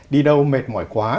đi đâu mệt mỏi quá